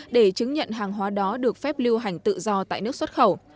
để chứng nhận hàng hóa đó được phép lưu hành tự do tại nước xuất khẩu